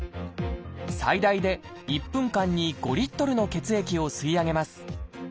最大で１分間に５リットルの血液を吸い上げます。